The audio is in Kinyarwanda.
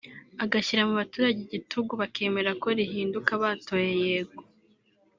agashyira mu baturage igitugu bakemera ko rihinduka batoye yego